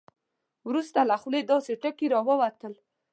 وروسته له خولې داسې ټکي راووتل.